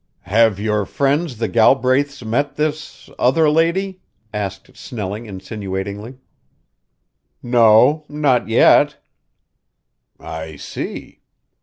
"Have your friends the Galbraiths met this other lady?" asked Snelling insinuatingly. "No, not yet." "I see."